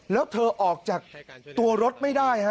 แล้วเธอออกจากตัวรถไม่ได้ฮะ